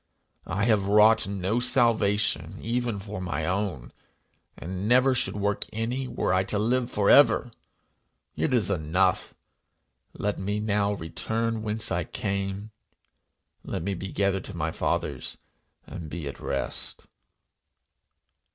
I have wrought no salvation even for my own, and never should work any, were I to live for ever! It is enough; let me now return whence I came; let me be gathered to my fathers and be at rest!'?